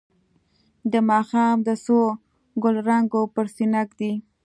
د ماښام د څو ګلرنګو پر سینه ږدي